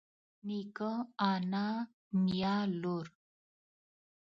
نيکه انا نيا لور